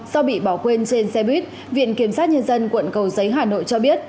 do bị bỏ quên trên xe buýt viện kiểm sát nhân dân quận cầu giấy hà nội cho biết